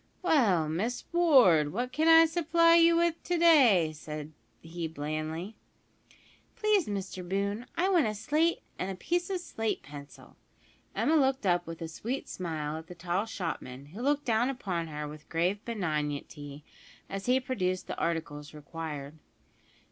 "Well, Miss Ward, what can I supply you with to day?" said he blandly. "Please, Mr Boone, I want a slate and a piece of slate pencil." Emma looked up with a sweet smile at the tall shopman, who looked down upon her with grave benignity, as he produced the articles required.